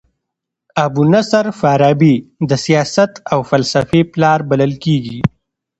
ابو نصر فارابي د سیاست او فلسفې پلار بلل کيږي.